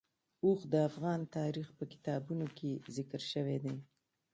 اوښ د افغان تاریخ په کتابونو کې ذکر شوی دی.